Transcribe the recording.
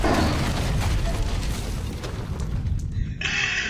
ikiwa una gari basi hakikisha linaangaliwa na fundi mara kwa mara ili